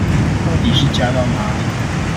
到底是加到哪裡